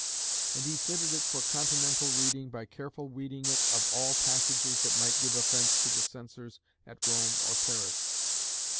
And he fitted it for continental reading by carefully weeding it of all passages that might give offence to the censors at Rome or Paris.